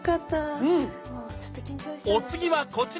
お次はこちら！